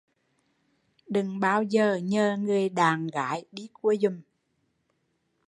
Đừng bao giờ nhờ người đạn gái đi cua giùm